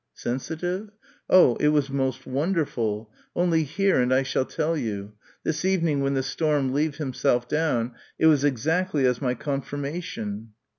"Sensitive?" "Oh, it was most wonderful. Only hear and I shall tell you. This evening when the storm leave himself down it was exactly as my Konfirmation."